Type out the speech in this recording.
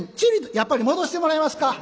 「やっぱり戻してもらえますか。